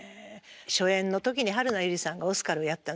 初演の時に榛名由梨さんがオスカルやったんです。